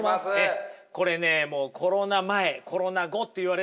これねもうコロナ前コロナ後と言われるぐらいね